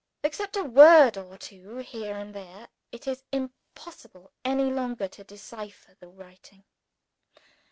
Except a word or two, here and there, it is impossible any longer to decipher the writing.